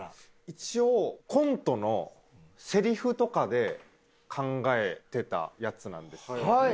一応コントのセリフとかで考えてたやつなんです。